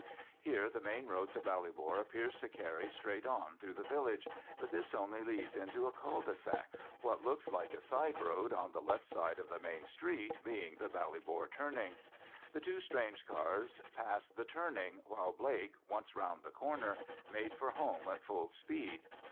Here the main road to Ballybor appears to carry straight on through the village, but this only leads into a cul de sac—what looks like a side road on the left of the main street being the Ballybor turning. The two strange cars passed the turning, while Blake, once round the corner, made for home at full speed.